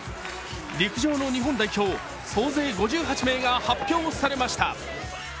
陸上の日本代表、総勢５８名が発表されました。